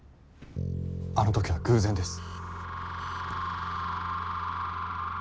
あの時は偶然です。